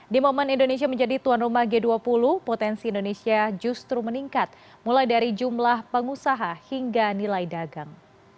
di momen indonesia menjadi tuan rumah g dua puluh potensi indonesia justru meningkat mulai dari jumlah pengusaha hingga nilai dagang